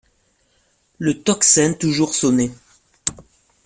Le tocsin toujours sonnait.